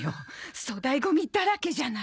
粗大ゴミだらけじゃない。